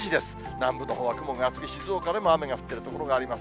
南部のほうは雲が厚い、静岡でも雨が降っている所があります。